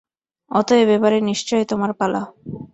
অতএব এবারে নিশ্চয় তোমার পালা।